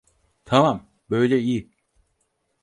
Tamam, böyle iyi.